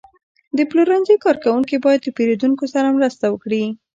د پلورنځي کارکوونکي باید د پیرودونکو سره مرسته وکړي.